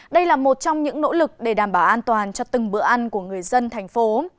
đây là một trong những nỗ lực để đảm bảo an toàn cho từng bữa ăn của người dân thành phố